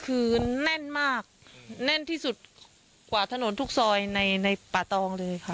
คือแน่นมากแน่นที่สุดกว่าถนนทุกซอยในในป่าตองเลยค่ะ